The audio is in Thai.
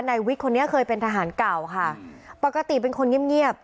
นายวิทย์คนนี้เคยเป็นทหารเก่าค่ะปกติเป็นคนเงียบเงียบ